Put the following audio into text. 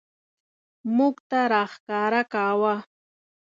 موږ ته راښکاره کاوه.